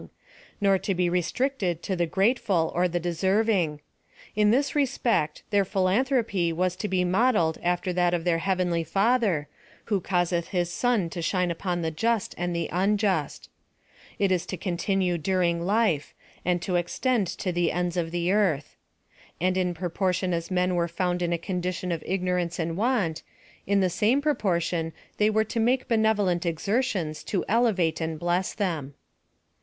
* il8 PHILOSOPHF OP THE nor to be restricted to the grateful, or the deserving ; ill this respect, tlieir philanthropy was to be modelled after that of their heavenly Father, who causeth his sun to shine upon the just and the unjust. It was to continue during life ; and to extend to the ends of the earth. And in proportion as men were found in a condition of ignorance and want, in the same proportion they were to make benevolent exertions to elevate and bless them.